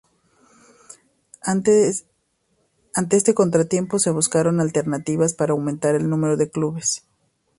Ante este contratiempo, se buscaron alternativas para aumentar el número de clubes.